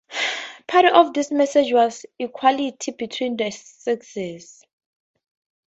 Part of his message was equality between the sexes.